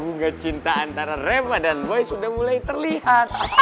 dan bunga bunga cinta antara remba dan lois sudah mulai terlihat